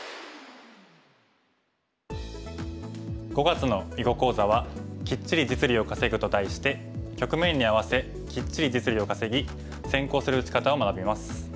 ５月の囲碁講座は「キッチリ実利を稼ぐ」と題して局面に合わせキッチリ実利を稼ぎ先行する打ち方を学びます。